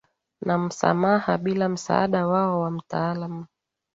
na msamaha Bila msaada wao wa mtaalam